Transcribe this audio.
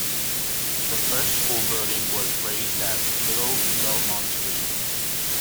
The first school building was raised at Little Belmont Street.